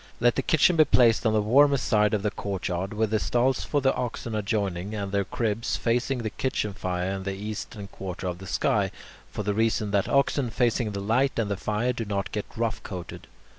Let the kitchen be placed on the warmest side of the courtyard, with the stalls for the oxen adjoining, and their cribs facing the kitchen fire and the eastern quarter of the sky, for the reason that oxen facing the light and the fire do not get rough coated.